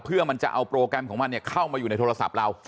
เพื่อมันจะเอาโปรแกรมของมันเข้ามาอยู่ในโทรศัพท์เรา